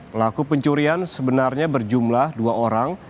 pelaku pencurian sebenarnya berjumlah dua orang